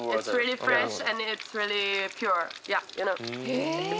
へえ。